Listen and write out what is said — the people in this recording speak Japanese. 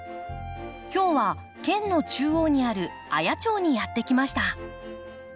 今日は県の中央にある綾町にやって来ました。